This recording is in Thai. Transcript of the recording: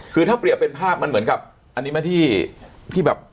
คือถ้าเปรียบเป็นภาพมันเหมือนกับอันนี้ไหมที่แบบ